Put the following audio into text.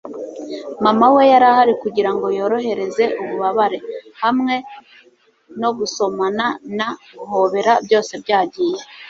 mama we yari ahari kugirango yorohereze ububabare. hamwe no gusomana na guhobera byose byagiye